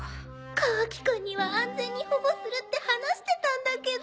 カワキくんには安全に保護するって話してたんだけど。